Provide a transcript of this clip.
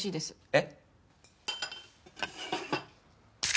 えっ？